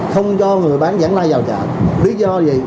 không cho người bán giảng lai vào chợ lý do gì